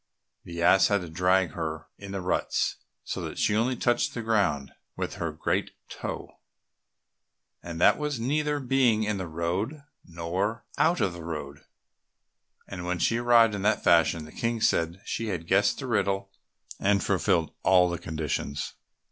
The ass had also to drag her in the ruts, so that she only touched the ground with her great toe, and that was neither being in the road nor out of the road. And when she arrived in that fashion, the King said she had guessed the riddle and fulfilled all the conditions.